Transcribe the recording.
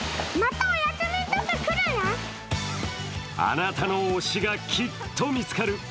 あなたの推しがきっと見つかる。